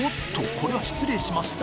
これは失礼しました。